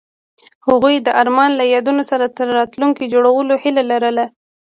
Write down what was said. هغوی د آرمان له یادونو سره راتلونکی جوړولو هیله لرله.